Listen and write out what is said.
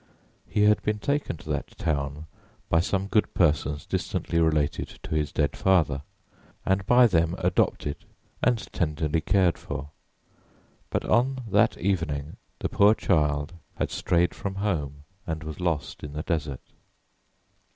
He had been taken to that town by some good persons distantly related to his dead father, and by them adopted and tenderly cared for. But on that evening the poor child had strayed from home and was lost in the desert.